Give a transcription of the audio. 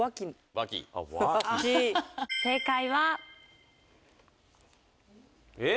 ワキ正解はえっ？